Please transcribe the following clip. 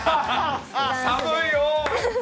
寒いよ。